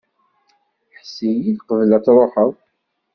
Hess-iyi-d qbel ad truḥeḍ.